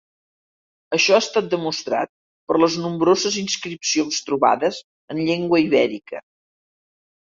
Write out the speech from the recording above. Això ha estat demostrat per les nombroses inscripcions trobades en llengua ibèrica.